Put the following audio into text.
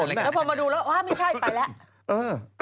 ก็เจอนะแล้วพอมาดูละว้า้ไม่ใช่ไปเปล่า